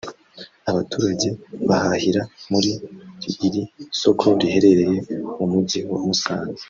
Abaturage bahahira muri iri soko riherereye mu mujyi wa Musanze